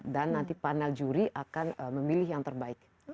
dan nanti panel juri akan memilih yang terbaik